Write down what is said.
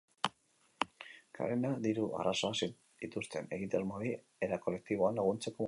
Karena diru arazoak dituzten egitasmoei era kolektiboan laguntzeko modua da.